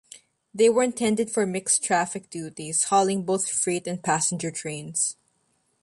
They were intended for mixed traffic duties, hauling both freight and passenger trains.